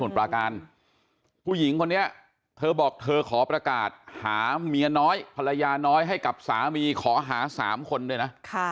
ผู้หญิงคนนี้เธอบอกเธอขอประกาศหาเมียน้อยภรรยาน้อยให้กับสามีขอหา๓คนด้วยนะ